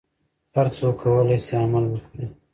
هر څوک کولای شي عمل وکړي.